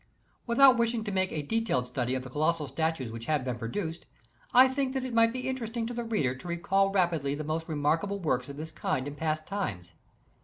Without wishing to make a detailed study of the co lossal statues which have been produced, I think that it might be interesting to the reader to recall rapidly the most remarkable works of this kind of past times.